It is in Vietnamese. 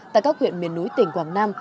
tại các huyện miền núi tỉnh quảng nam